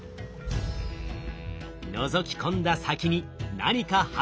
のぞき込んだ先に何か発見！